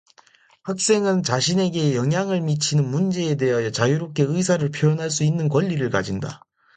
학생은 자신에게 영향을 미치는 문제에 대하여 자유롭게 의사를 표현할 수 있는 권리를 가진다.